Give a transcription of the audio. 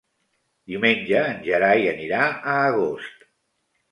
Diumenge en Gerai anirà a Agost.